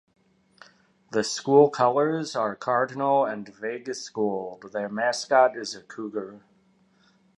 The school colors are cardinal and Vegas gold; their mascot is a cougar.